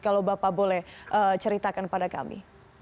kalau bapak boleh ceritakan pada kami